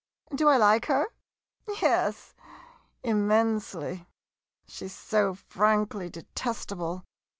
Do I like her? Yes, immensely. She 's so frankly detestable.